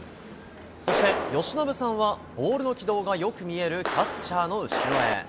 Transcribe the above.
そして由伸さんは、ボールの軌道がよく見えるキャッチャーの後ろへ。